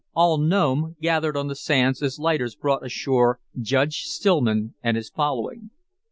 All Nome gathered on the sands as lighters brought ashore Judge Stillman and his following.